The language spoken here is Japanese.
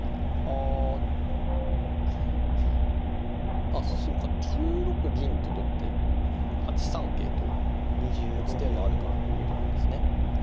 あっそうか９六銀と取って８三桂と打つ手もあるからということなんですね。